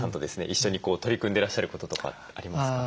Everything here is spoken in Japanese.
一緒に取り組んでらっしゃることとかありますか？